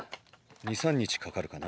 ２３日かかるかな。